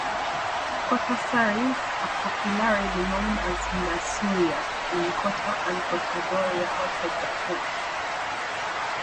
Kota saris are popularly known as 'Masuria' in Kota and Kotadoria outside the state.